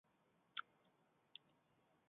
群的对合对群的结构有很大影响。